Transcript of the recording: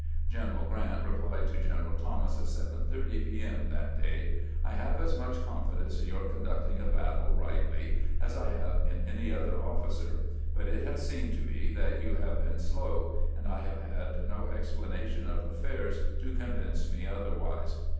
General Grant replied to General Thomas, at 7 : 30 p. m. that day :" I have as much confidence in your conducting a battle rightly as I have in any other officer ; but it has seemed to me that you have been slow, and I have had no ex planation of affairs to convince me otherwise.